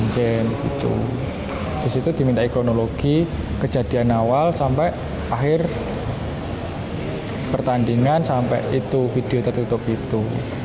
di situ diminta ikonologi kejadian awal sampai akhir pertandingan sampai video tertutup itu